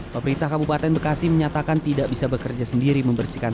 pemerintah kabupaten bekasi menyatakan tidak bisa bekerja sendiri membersihkan